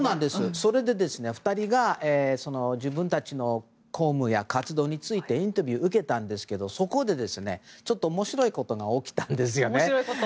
それで２人が自分たちの公務や活動についてインタビューを受けたんですけどそこで、面白いことが起きたんですよね。